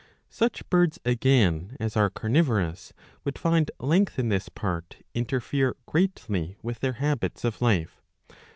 Such birds, again, as are carnivorous would find length in this part interfere greatly with their habits of life.